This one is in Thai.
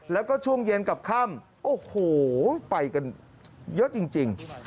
แล้วก็ช่วงเย็นกับค่ำโอ้โหไปกันเยอะจริง